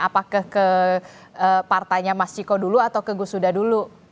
apakah ke partanya mas ciko dulu atau ke agus sudha dulu